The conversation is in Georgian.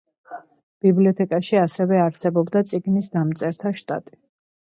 ბიბლიოთეკაში ასევე არსებობდა წიგნის გადამწერთა შტატი.